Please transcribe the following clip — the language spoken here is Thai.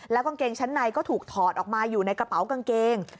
กางเกงชั้นในก็ถูกถอดออกมาอยู่ในกระเป๋ากางเกง